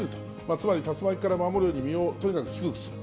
つまり、竜巻から身を守るようにとにかく身を低くする。